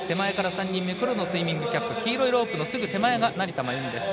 黒のスイミングキャップ黄色いロープのすぐ手前が成田真由美です。